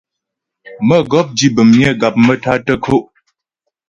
Mə́gɔp di bəm myə gap maə́tá tə́ kǒ'.